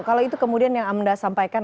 kalau itu kemudian yang amin rais sampaikan